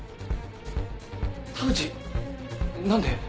田淵何で？